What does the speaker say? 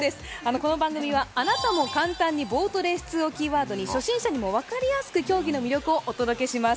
この番組は、「あなたも簡単にボートレース通」をキーワードに初心者にも分かりやすく競技の魅力をお届けします。